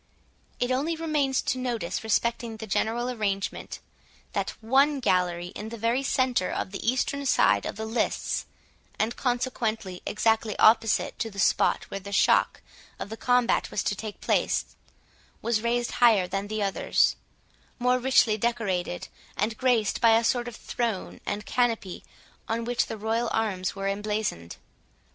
It only remains to notice respecting the general arrangement, that one gallery in the very centre of the eastern side of the lists, and consequently exactly opposite to the spot where the shock of the combat was to take place, was raised higher than the others, more richly decorated, and graced by a sort of throne and canopy, on which the royal arms were emblazoned.